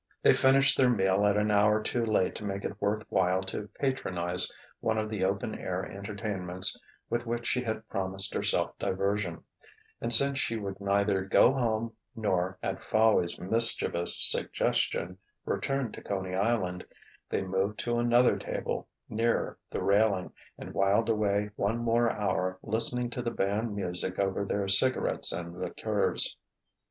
They finished their meal at an hour too late to make it worth while to patronize one of the open air entertainments with which she had promised herself diversion; and since she would neither go home nor, at Fowey's mischievous suggestion, return to Coney Island, they moved to another table, nearer the railing, and whiled away one more hour listening to the band music over their cigarettes and liqueurs.